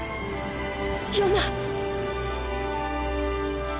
ヨナ。